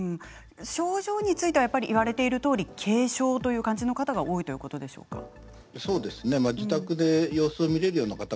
症状については言われているとおり軽症という感じの方が多いということでしょうか。